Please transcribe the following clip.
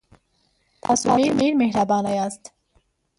تاسو ډیر مهربانه یاست.